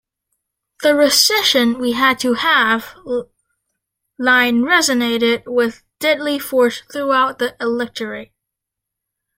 "The recession we had to have" line resonated with deadly force throughout the electorate.